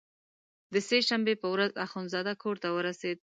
د سې شنبې په ورځ اخندزاده کورته ورسېد.